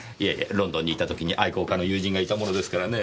ロンドンにいた時に愛好家の友人がいたものですからねぇ。